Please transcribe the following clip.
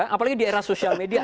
apalagi di era sosial media